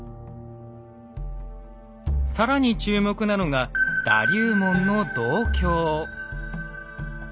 更に注目なのがだ龍文の銅鏡。